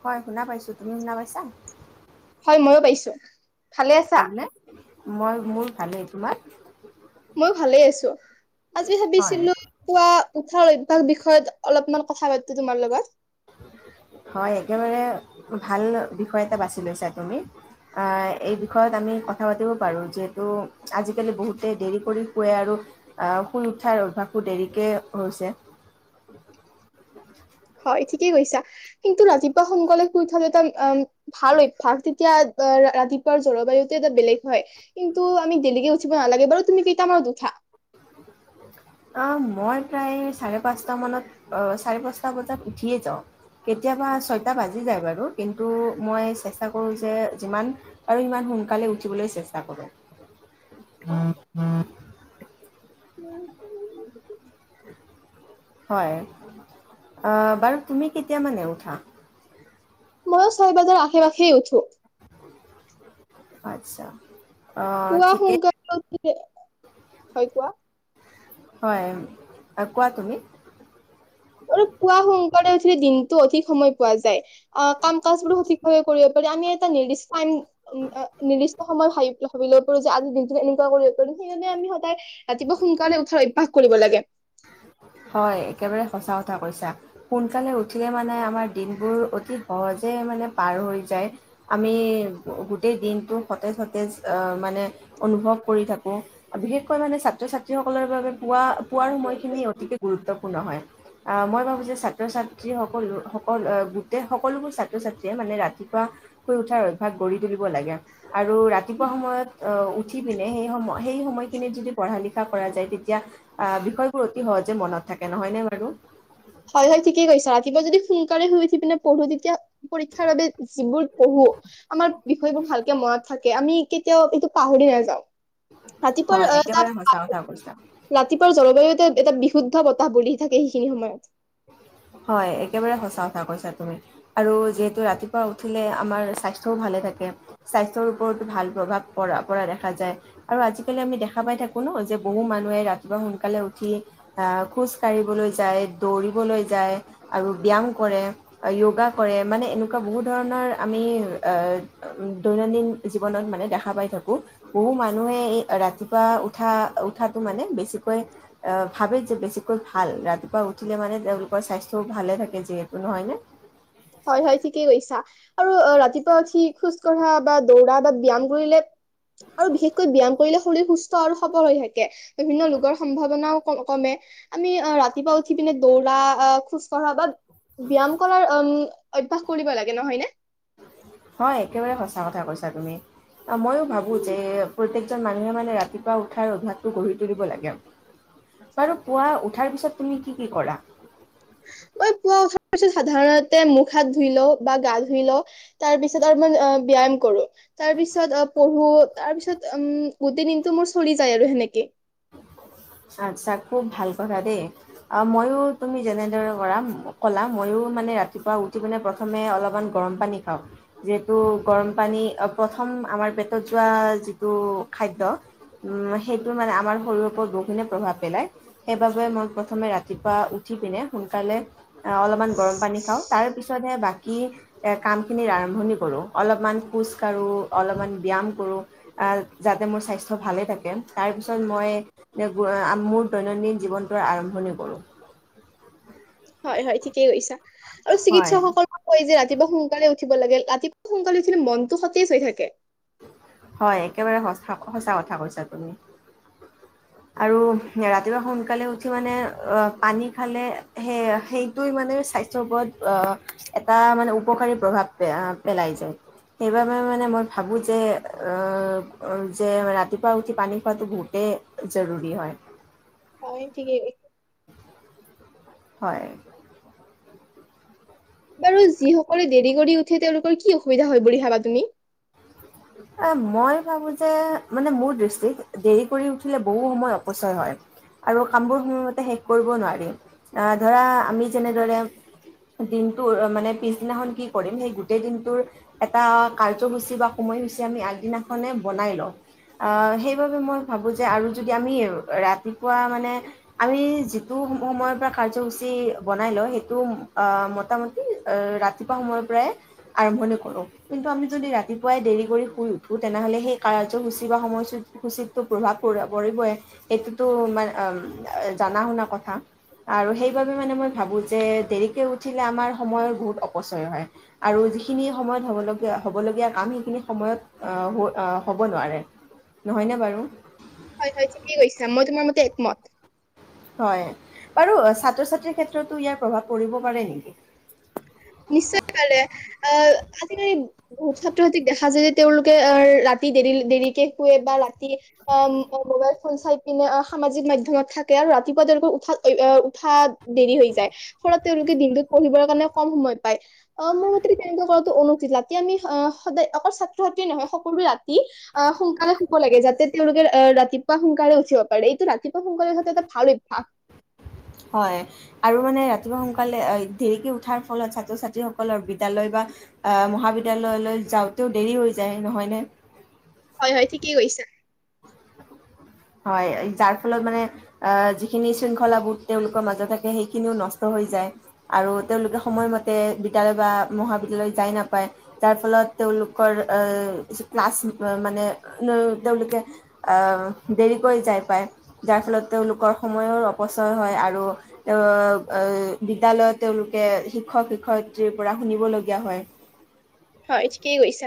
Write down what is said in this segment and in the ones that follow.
হয়, শুনা পাইছোঁ। তুমি শুনা পাইছা? হয় মইয়ো পাইছো ভালে আছা? ভালনে? মই মোৰ ভালেই তোমাৰ মইয়ো ভালে আছো আজি হয়। ভাবিছিলো পুৱা উঠাৰ অভ্যাস তাৰ বিষয়ত অলপমান কথা পাতো তোমাৰ লগত হয় একেবাৰে ভাল বিষয় এটা বাছি লৈছা তুমি এই বিষয়ত আমি কথা পাতিব পাৰোঁ যিহেতু আজিকালি বহুতে দেৰি কৰি শুৱে আৰু শুই উঠাৰ অভ্যাসো দেৰিকে হৈছে হয় ঠিকেই কৈছা কিন্তু ৰাতিপুৱা সোনকালে শুই উঠিলে এটা অম ভাল অভ্যাস তেতিয়া অ ৰাতিপুৱাৰ জলবায়ুতে এটা বেলেগ হয় কিন্তু আমি দেৰিলৈকে উঠিব নালাগে বাৰু তুমি কেইটা মানত উঠা মই প্ৰায় চাৰে পাঁচটা মানত চাৰে পাঁচটা বজাত উঠিয়ে যাওঁ কেতিয়াবা ছয়টা বাজি যায় বাৰু কিন্তু মই চেষ্টা কৰো যে যিমান আৰু সিমান সোনকালে উঠিবলৈ চেষ্টা কৰোঁ উ উ উম উ হয় বাৰু তুমি কেতিয়া মানে উঠা মইয়ো ছয় বজাৰ আশে পাশে উঠো। আচ্ছা আহ, পুৱা ঠিকেই সোনকালে উঠো হয় কোৱা হয় কোৱা তুমি মই ত পুৱা সোন- কালে উঠিলে দিনটো অধিক সময় পোৱা যায়। অ কাম কাজ বুৰু সঠিক সময়ত কৰিব পাৰি আমি এটা নিৰ্দিষ্ট টাইম এ নিৰ্দিষ্ট সময় ভাবিব লৈ পৰি যে আজিৰ দিনটোন এনেকুৱা কৰি কোনোখিনিতে আমি সক- ৰাতিপুৱ সোনকালে উঠাৰ অভ্যাস কৰিব লাগে হয় একেবাৰে সঁচা কথা কৈছা সোনকালে উঠিলে মানে আমাৰ দিনবোৰ অতি সহজে মানে পাৰ হৈ যায় আমি গোটেই দিনটো সতেজ সতেজ আহ মানে অনুভৱ কৰি থাকো বিশেষকৈ মানে ছাত্ৰ ছাত্ৰী সকলৰ বাবে পুৱা পুৱাৰ খিনি অতীকে গুৰুত্বপূৰ্ণ হয় আহ মই ভাবো যে ছাত্ৰ ছাত্ৰী সকলো সকল গোটেই সকলোবোৰ ছাত্ৰ ছাত্ৰীয়ে মানে ৰাতিপুৱা শুই উঠাৰ অভ্যাস গঢ়ি তুলিব লাগে আৰু ৰাতিপুৱা সময়ত আহ উঠি পিনে সেই সময় সেই সময়খিনিত যদি পঢ়া লিখা কৰা যায় তেতিয়া আহ বিষয় অতি সহজে মনত থাকে নহয় নে বাৰু হয় হয় ঠিকেই কৈছা ৰাতিপা যদি সোনকালে শুই উঠি পিনে পঢ়ো তেতিয়া পৰীক্ষাৰ বাবে যিবোৰ পঢ়ো আমাৰ বিষয়বোৰ ভালকে মনত থাকে আমি কেতিয়াও কিন্তু পাহৰি নাযাওঁ ৰাতিপুৱা হয় আহ তাৰ একেবাৰে সঁচা কথা কৈছা ৰাতিপুৱাৰ জলবায়ুতে এটা বিশুদ্ধ বতাহ বলি থাকে সেইখিনি সময়ত। হয় একেবাৰে সচা কথা কৈছা তুমি আৰু যিহেতু ৰাতিপুৱা উঠিলে আমাৰ স্বাস্থ্যও ভালে থাকে স্বাস্থ্যৰ ওপৰতো ভাল প্ৰভাৱ প পৰা দেখা যায় আৰু আজিকালি আমি দেখা পাই থাকো ন যে বহু মানুহে ৰাতিপুৱা সোনকালে উঠি আহ খোজ কাঢ়িবলৈ যায়। দৌৰিবলৈ যায় আৰু ব্যায়াম কৰে য়োগা কৰে মানে এনেকুৱা বহু ধৰণৰ আমি দৈনন্দিন জীৱনত মানে দেখা পাই থাকোঁ বহু মানুহে এই ৰাতিপুৱা উঠা উঠাটো মানে বেছিকৈ ভাবে যে বেছিকৈ ভাল ৰাতিপুৱা উ। উঠিলে মানে তেওঁলোকৰ স্বাস্থ্যও ভালে থাকে যিহেতু নহয় ন। হয় হয় ঠিকেই কৈছা আৰু ৰাতিপুৱা উঠি খোজ কঢ়া বা দৌৰা বা ব্য্য়ায়াম কৰিলে। আৰু বিশেষকৈ ব্যায়াম কৰিলে। ৰি সুস্থ আৰু সবল হৈ থাকে। বিভিন্ন ৰোগৰ সম্ভাৱনাও। কমে। আমি অ ৰাতিপুৱা উঠি পিনে দৌৰা। আহ খোজ কঢ়া বা। ব্যায়াম কৰাৰ উম। অভ্যয়াস কৰিব লাগে নহয় নে? হয়। একেবাৰে সঁচা কথা কৈছা তুমি। অ মইো ভাবো যে। প্ৰত্যেকজন মানুহে মানে ৰাতিপুৱা উঠাৰ অভ্যাসটো গঢ়ি তুলিব লাগে। বাৰু পুৱা উঠাৰ পিছত তুমি কি কি কৰা। মই পুৱ উঠাৰ পিছত সাধাৰণতে মুখ হাত ধুই ল বা গা ধুই লওঁ। তাৰ পিছত অমান ব্যয়াম কৰো। তাৰ পিছত পঢ়ো তাৰ পিছত উম গোটেই দিনটো মোৰ চলি যায়। আৰু সেনেকে, আচ্ছা খুব ভাল কথা দেই অ ময়ো তুমি যেনেদৰে কৰা কলা। মইও মানে ৰাতিপুৱা উঠি পিনে প্ৰথমে অলপমান গৰম পানী খাওঁ। যিহেতু গৰম পানী প্ৰথম আমাৰ পেটত যোৱা। যিটো খাদ্যৰ উ সেইটো মানে আমাৰ। শৰীৰৰ ওপৰত বহুখিনি প্ৰভাৱ পেলায়। সেইবাবে মই প্ৰথমে ৰাতিপুৱা উঠি পিনে সোনকালে অলপমান গৰম পানী খাওঁ। তাৰপিছতহে বাকী কামখিনিৰ আৰম্ভণি কৰোঁ। অলপমান খোজ কাঢ়োঁ অলপমান ব্যায়াম কৰোঁ। যাতে মোৰ স্বাস্থ্য ভালে থাকে তাৰপিছত মই। মোৰ দৈনন্দিন জীৱনটোৰ আৰম্ভণি কৰোঁ। হয় হয় ঠিকেই কৰিছা। আৰু হয় চিকিৎসকসকলৰ আকৌ যে ৰাতি। ৰাতিপুৱা সোনকালে উঠিব লাগে। ৰাতিপুৱা সোনকালে উঠিলে মনতটো সতেজ হৈ থাকে। হয়, একেবাৰে সঁচা কথা কৈছা তুমি। আৰু ৰাতিপুৱা সোনকালে উঠি মানে পানী খালে। সেই সেইটোোৱ মানে স্বাস্থ্যৰ ওপৰত আহ এটা মানে উপকাৰী প্ৰভাৱ পেলাই যায়। সেইবাবে মানে মই ভাবো যে আহ যে ৰাতিপুৱা উঠি পানী খোৱাাতটো বহুতেই। জাৰুৰুী হয়। অ ঠিকে। হয়। বাৰু যিসকলে দেৰি কৰি উঠে। তেওঁলোকৰ কি অসুবিধা হয়। বুলি ভাবা তুমি। এ মই ভাবো যে মানে মোৰ দৃষ্টিত দেৰি কৰি উঠিলে বহু সময় অপচয় হয় আৰু কামবোৰ সময়মতে শেষ কৰিব নোৱাৰি। অহ ধৰা আমি যেনেদৰে দিনটোৰ মানে পিছদিনাখন কি কৰিম। সেই গোটেই দিনটোৰ এটা। কাৰ্যসূচী বা। সময়সূচী আমি আগদিনাখনে বনাই লওঁ সেইবাবে মই ভাবোঁ যে আৰু যদি আমি ৰাতিপুৱা মানে আমি যিটো সময়ৰ পৰা কাৰ্যসূচী বনাই লওঁ। সেইটো মোটামুটি ৰাতিপুৱা সময়ৰ পৰাই আৰম্ভণি কৰোঁ। কিন্তু আমি যদি ৰাতি। াই দেৰি কৰি শুই উঠো তেনেহলে সেই কাৰসূচী বা সময় সূচীটো প্ৰভাৱ পৰিবই সেইটোতো মান জাননা শুনা কথা আৰু সেইবাবে মানে মই ভাবো। যে দেৰিকে উঠিলে আমাৰ সময় বহুত অপচয় হয়। আৰু যিখিনি সময়ত হবলীয়া হ'বলগীয়া। আম সেইখিনি সময়ত হ'ব নোৱাৰে। নহয়নে বাৰু। হয়, হয় ঠিকেই কৈছা। মই তোমাৰ মতে একমত। হয় বাৰু ছাত্ৰ ছাত্ৰীৰ ক্ষেত্ৰতো ইয়াৰ প্ৰভাৱ পৰিব পাৰে নেকি? নিশ্চয় কাৰালে অহ আজিকালি বহুত ছাত্ৰ ছাত্ৰীক দেখা যায়। যে তেওঁলোকে অহ ৰাতি দেৰি দেৰি। শোৱে বা ৰাতি মোবাইল ফোন চাই। এনে সামাজিক মাধ্য়মত থাকে আৰু ৰাতিপুৱা তেওঁলোকৰ উঠাত। উঠা দেৰি হৈ যায়। ফলত তেওঁলোকে দিনটোত পঢ়িবৰ কাৰণে। কম সময় পায়। অ মোৰ মতে তেনেকুৱা কৰাটো অনুল ৰাতি আমি সদায় অকল ছাত্ৰ ছাত্ৰ্ৰী নহয় সকলোৱো ৰা। সোনকালে শুব লাগে। যাতে। তেওঁলোকে আহ ৰাতিপুৱা সোনকালে উঠিব পাৰে। এইটো ৰাতিপুৱা সোনকালেো এটা ভাল অভ্যাস। হয় আৰু মানে ৰাতিপুৱা সোনকালে দেৰিকে উঠাৰ ফলত ছাত্ৰ ছাত্ৰীসকলৰ বিদ্যালয় বা মহাবিদ্যালয়লৈ যাওঁতেও দেৰি হৈ যায়। নহয়নে? হয়, হয় ঠিকেই কৈছে। হয়, যাৰ ফলত মানে যিখিনি শৃংখলাবোধ তেওঁলোকৰ মাজত থাকে। সেইখিনিও নষ্ট হৈ যায়। আৰু তেওঁলোকে সময়মতে বিদ্যালয় বা মহাবিদ্যালয় যাই নাপায়। যাৰ ফলত তেওঁলোকৰ কিছু ক্লাছ মানে তেওঁলোকে অহ দেৰিকৈ যায় পায় যাৰ ফলত তেওঁলোকৰ সময়ৰ অপচয় হয়। আৰু বিদ্যালয়ত তেওঁলোকে শিক্ষক শিক্ষয়িত্ৰীৰ পৰা শুনিবলগীয়া হয়। হয় ঠিকেই কৈছে।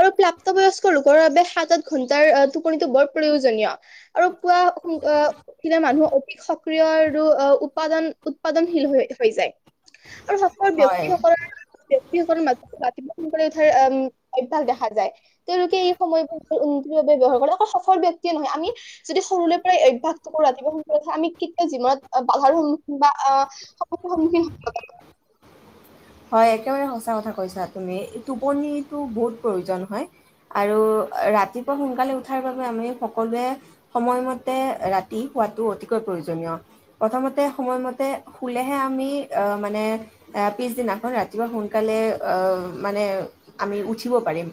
আৰু প্ৰাপ্তবয়স্ক লোকৰ বাবে সাত আঠ ঘন্টাৰ টোপনিটো বৰ প্ৰয়োজনীয়। আৰু পোৱা সোনকালে উঠিলে মানুহৰ অধিক শক্তি।। সক্ৰিয় আৰু উৎপাদন উৎপাদনশীল হৈ হৈ যায়। সকল হয় ব্যক্তিসকলৰ। কি কৰিম। ৰাতিপুৱা সোনকালে উঠাৰ উম অভ্যাস দেখা যায় তেওঁলোকে এই সময়বোৰ উন্নতিৰ ব্যৱহাৰ কৰে আ সফল ব্যক্তিয়ে নহয় আমি যদি সৰুৰে পৰাই অভ্যাসটো কৰো ৰাতিপুৱা সোনকালে উঠাই আমি কেতিয়াও জীৱনত বাধাৰ সন্মুখীন বা সমস্যাৰ সন্মুখীন হব লাগ। হয় একেবাৰে সঁচা কথা কৈছা তুমি টোপনিটো বহুত প্ৰয়োজন হয় আৰু ৰাতিপুৱা সোনকালে উঠাৰ বাবে আমি সকলোৱে সময়মতে ৰাতি শোৱাটো অতিকৈ প্ৰয়োজনীয় প্ৰথমতে সময়মতে শুলেহে আমি মানে এ পিছদিনাখন ৰাতিপুৱা সোনকালে মানে আমি উঠিব পাৰিম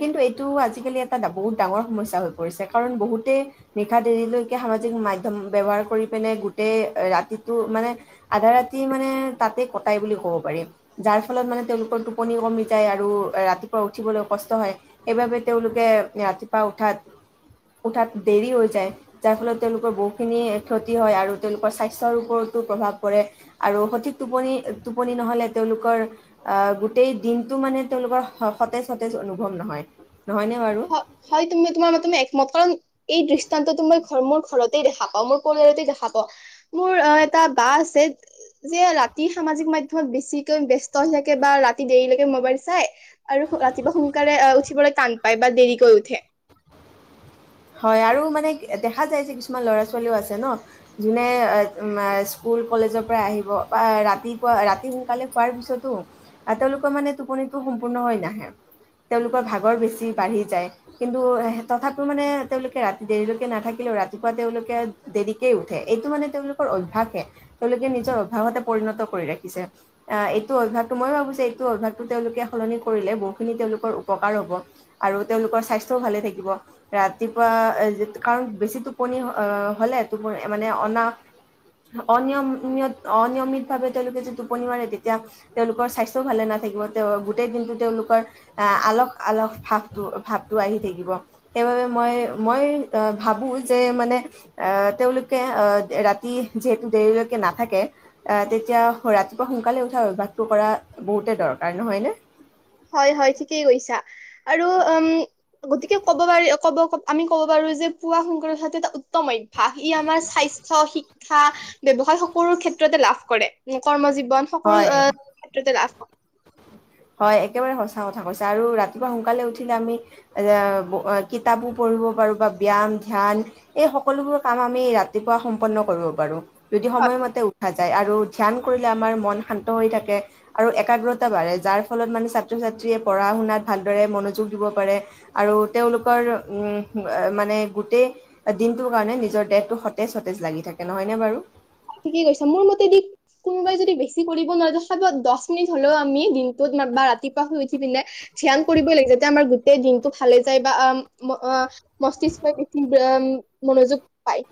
কিন্তু এইটো আজিকালি এটা বহুত ডাঙৰ সমস্যা হৈ পৰিছে কাৰণ বহুতেই নিশা দেৰিলৈকে সামাজিক মাধ্যম ব্যৱহাৰ কৰি পিনে গোটেই ৰাতিটো মানে আধা ৰাতি মানে তাতেই কটাই বুলি কওঁ। পাৰিম যাৰ ফলত মানে তেওঁলোকৰ টোপনি কমি যায় আৰু ৰাতিপুৱা উঠিবলৈ কষ্ট হয় সেইবাবে তেওঁলোকে ৰাতিপুৱা উঠাত উঠাত দেৰি হৈ যায় যাৰ ফলত তেওঁলোকৰ বহুখিন ক্ষতি হয় আৰু তেওঁলোকৰ স্বাস্থৰ ওপৰতো প্ৰভাৱ পৰে আৰু সঠিক টোপনি টোপনি নহলে তেওঁলোকৰ আহ গোটেই দিনটো মানে তেওঁলোকৰ সতেজ সতেজ অনুভৱ নহয়। নহয়নে বাৰু হয় তুমি তোমাৰ মতে তুমি একমত কাৰণ এই দৃষ্টান্তটো মই ঘৰ মোৰ ঘৰতেই দেখা পাওঁ মোৰ পৰিয়ালতেই দেখা পাওঁ মোৰ অ এটা বা আছে যে ৰাতি সামাজিক মাধ্যমত বেছিকৈ ব্যস্ত হৈ থাকে বা ৰাতি দেৰিলৈকে মোবাইল চাই আৰু ৰাতিপুৱা সোনকালে আহ উঠিবলৈ তান পাই বা দেৰিকৈ উঠে হয় আৰু মানে দেখা যায় যে কিছুমান ল'ৰা ছোৱালীও আছে ন যোনে স্কুল কলেজৰ পৰা আহিব বা ৰাতিপুৱা ৰাতি সোনকালে খোৱাৰ পিছতো তেওঁলোকৰ মানে টোপনিটো সম্পূৰ্ণ হৈ নাহে তেওঁলোকৰ ভাগৰ বেছি বাঢ়ি যায় কিন্তু তথাপি মানে তেওঁলোকে ৰাতি দেৰিলৈকে নাথাকিলেও ৰাতিপুৱা তেওঁলোকে দেৰিকেই উঠে এইটো মানে তেওঁলোকৰ অভ্যাসহে তেওঁলোকে নিজৰ অভ্যাসতে পৰিণত কৰি ৰাখিছে এইটো অভ্যাসটো মই ভাবো এইটো অভ্যাসটো তেওঁলোকে সলনি কৰিলে বহুখিনি তেওঁলোকৰ উপকাৰ হ'ব আৰু তেওঁলোকৰ স্বাস্থ্যও ভালে থাকিব। ৰাতিপুৱা কাৰণ বেছি টোপনি হলে টোপনি মানে অনা অনিয়ম অনিয়মিত ভাৱে তেওঁলোকে যে টোপনি মাৰে তেতিয়া তেওঁলোকৰ স্বাস্থ্যও ভালে নাথাকিব তেওঁ গোটেই দিনটো তেওঁলোকৰ আহ আল আলগ ভাৱটো ভাৱটো আহি থাকিব সেইবাবে মই মই ভাবো যে মানে তেওঁলোকে ৰাতি যিহেতু দেৰিলৈকে নাথাকে আহ এতিয়া ৰাতিপুৱা সোনকালে উঠা অভ্যাসটো কৰা বহুতে দৰকাৰ নহয় নে হয় হয় ঠিকেই কৈছা আৰু উম গতিকে কব পাৰি কব আমি কব পাৰো যে পুৱা সোনকালে উঠাটো এটা উত্তম অভ্যাস ই আমাৰ স্বাস্থ্য, শিক্ষা ব্যৱসায় সকলো ক্ষেত্ৰতে লাভ কৰে কৰ্মজীৱ বন সকলো হয় আহ ক্ষেত্ৰতে লাভ কৰে হয় একেবাৰে সঁচা কথা কৈছে আৰু ৰাতিপুৱা সোনকালে উঠিলে আমি এ কিতাপো পঢ়িব পাৰো বা ব্যায়াম ধ্যান এই সকলোবোৰ কাম আমি ৰাতিপুৱা সম্পন্ন কৰিব পাৰো যদি সময়মতে উঠা যায় আৰু ধ্যান কৰিলে আমাৰ মন শান্ত হৈ থাকে আৰু একাগ্ৰতা বাঢ়ে। যাৰ ফলত মানে ছাত্ৰ ছাত্ৰীয়ে পঢ়া শুনাত ভালদৰে মনোযোগ দিব পাৰে। আৰু তেওঁলোকৰ উ মানে গোটেই দিনটোৰ কাৰণে নিজৰ দেহটো সতেজ সতেজ লাগি থাকে নহয় নে বাৰু? ঠিকে কৈছা মোৰ মতেদি কোনোবাই যদি বেছি কৰিব নোৱাৰে চ দছ মিনিট হলেও আমি দিনটোত বা ৰাতিপুৱা শুই উঠি পিনে ধ্যান কৰিবই লাগে যাতে আমাৰ দিনটো ভালে যায় বা আ মস্তিষ্ক [unintelligible] মনোযোগ পায়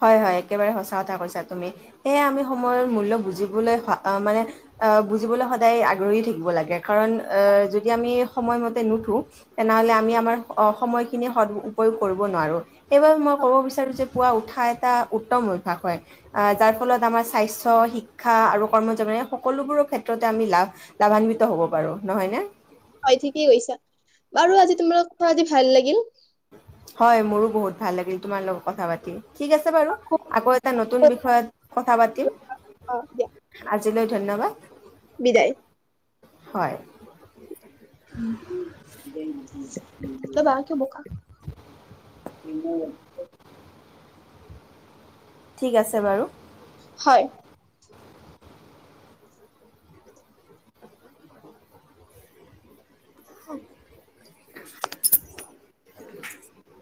হয় হয় একেবাৰে সঁচা কথা কৈছা তুমি। এইয়া আমি সময়ৰ মূল্য বুজিবলৈ মানে বুজিবলৈ সদায় আগ্ৰহী থাকিব লাগে। কাৰণ আহ যদি আমি সময়মতে নুঠো তেনেহলে আমি আমাৰ সময়খিনি সদ উপয়োগ কৰিব নোৱাৰো। সেইবাবে মই ক'ব বিচাৰো যে পুৱা উঠ উঠা এটা উত্তম অভ্যাস হয়। আহ যাৰ ফলত আমাৰ স্বাস্থ্য শিক্ষা আৰু কৰ্ম জীৱন সকলোবোৰ ক্ষেত্ৰতে আমি লা লাভান্বিত হ'ব পাৰো। নহয় নে? হয় ঠিকেই কৈছা। বাৰু আজি তুমাৰ [unintelligible] ভাল লাগিল। হয় মোৰো বহুত ভাল লাগিল তোমাৰ লগত কথা পাতি। ঠিক আছে বাৰু আকৌ এটা নতুন বিষয়ত কথা পা [inaudible] অ দিয়া। আজিলৈ ধন্যবাদ। বিদায়। হয়। কি? ঠিক আছে বাৰু। হয়। [unintelligible]